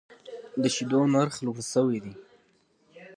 د شیدو نرخ لوړ شوی دی.